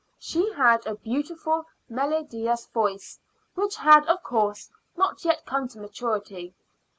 She had a beautiful melodious voice, which had, of course, not yet come to maturity.